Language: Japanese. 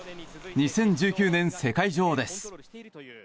２０１９年世界女王です。